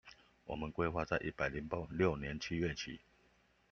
我們規劃在一百零六年七月起